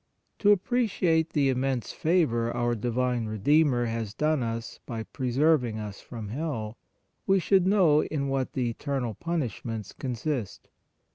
To appreciate the im mense favor our divine Redeemer has done us by preserving us from hell, we should know in what the eternal punishments consist.